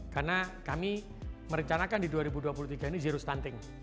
karena kami merencanakan di dua ribu dua puluh tiga ini zero stunting